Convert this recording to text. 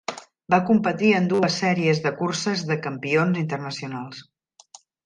Va competir en dues sèries de curses de campions internacionals.